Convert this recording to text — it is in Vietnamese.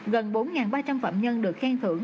gần bốn ba trăm linh phạm nhân được khen thưởng